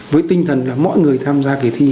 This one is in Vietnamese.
với tinh thần là mọi người tham gia kỳ thi